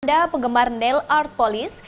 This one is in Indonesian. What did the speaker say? anda penggemar nail art police